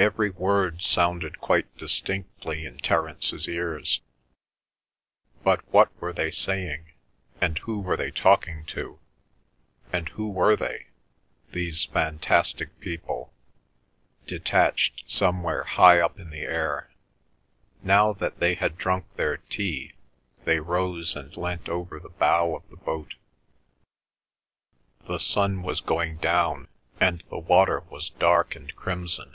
Every word sounded quite distinctly in Terence's ears; but what were they saying, and who were they talking to, and who were they, these fantastic people, detached somewhere high up in the air? Now that they had drunk their tea, they rose and leant over the bow of the boat. The sun was going down, and the water was dark and crimson.